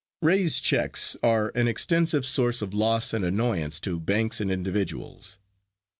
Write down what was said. Raised checks are an extensive source of loss and annoyance to banks and individuals.